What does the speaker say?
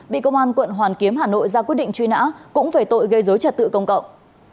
bị công an quận hoàn kiếm hà nội ra quyết định truy nã cũng về tội gây dối trật tự công cộng